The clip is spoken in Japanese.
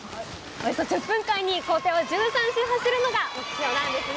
およそ１０分間に、校庭を１３周走るのが目標なんですね。